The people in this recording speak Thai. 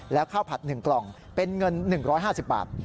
แล้วข้าวผัด๑กล่องเป็นเงิน๑๕๐บาท